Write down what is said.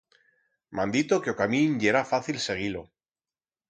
M'han dito que o camín yera fácil seguir-lo.